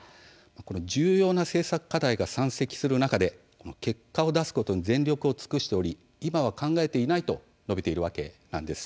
重要な政策課題が山積する中で結果を出すことに全力を尽くしており今は考えていないと述べています。